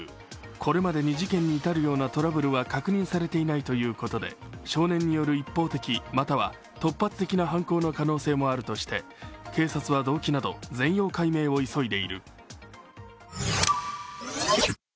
これまでに事件に至るようなトラブルは確認されていないということで少年による一方的または突発的な犯行の可能性もあるとして警察は動機など全容解明を急いでいる。